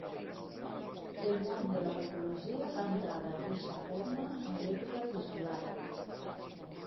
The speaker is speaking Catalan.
El món de la Patologia va entrar d'aqueixa forma en l'època tissular.